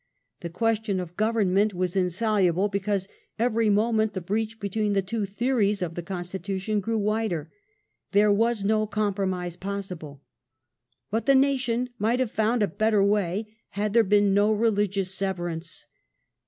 The question of government was insoluble, because every moment the breach between the two theories of the constitution grew wider. There was no compromise possible. But the nation might haVe found a better way had there been no religious severance.